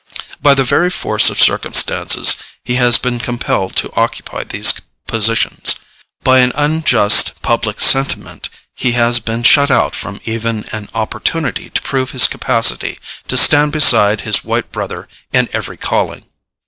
By the very force of circumstances he has been compelled to occupy these positions. By an unjust public sentiment he has been shut out from even an opportunity to prove his capacity to stand beside his white brother in every calling.